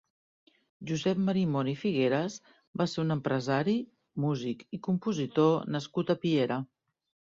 Josep Marimon i Figueras va ser un empresari, músic i compositor nascut a Piera.